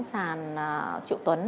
sản triệu tuấn